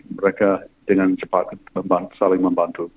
mereka dengan cepat saling membantu